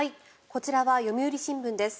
こちらは読売新聞です。